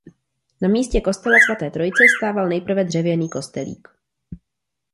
Na místě kostela Svaté Trojice stával nejprve dřevěný kostelík.